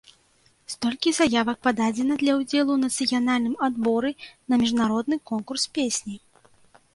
Столькі заявак пададзена для ўдзелу ў нацыянальным адборы на міжнародны конкурс песні.